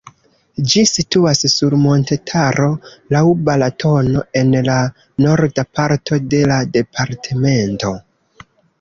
Ĝi situas sur montetaro laŭ Balatono en la norda parto de la departemento.